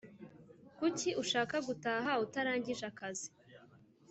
Kuki ushaka gutaha utarangije akazi